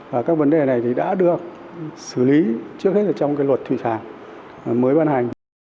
và các vấn đề này thì đã được xử lý trước hết là trong cái luật thủy sản mới ban hành